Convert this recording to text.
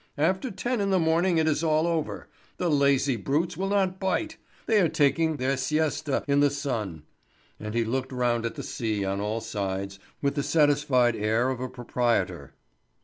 After ten in the morning it is all over. The lazy brutes will not bite; they are taking their siesta in the sun." And he looked round at the sea on all sides, with the satisfied air of a proprietor.